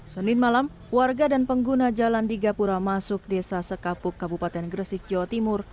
senin malam warga dan pengguna jalan di gapura masuk desa sekapuk kabupaten gresik jawa timur